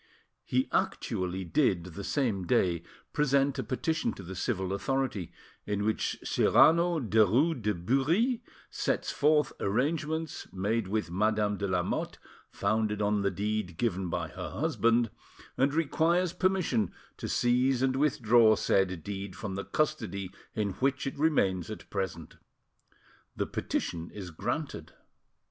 He actually did, the same day, present a petition to the civil authority, in which Cyrano Derues de Bury sets forth arrangements, made with Madame de Lamotte, founded on the deed given by her husband, and requires permission to seize and withdraw said deed from the custody in which it remains at present. The petition is granted.